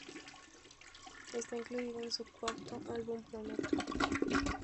Está incluido en su cuarto álbum, Prometo.